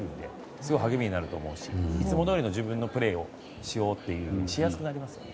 すごい励みになると思うしいつもどおりの自分のプレーをしやすくなりますね。